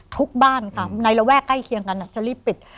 ทุกบ้านค่ะในระแวกใกล้เคียงกันจะรีบปิด